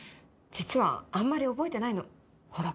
実はあんまり覚えてないのほら